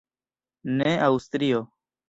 Ne Aŭstrio.